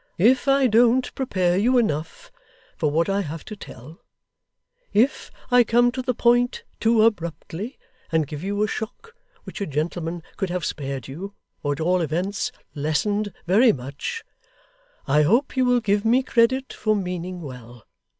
If I don't prepare you enough for what I have to tell; if I come to the point too abruptly; and give you a shock, which a gentleman could have spared you, or at all events lessened very much; I hope you will give me credit for meaning well.